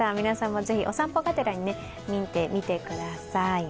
皆さんもぜひ、お散歩がてら見てみてください。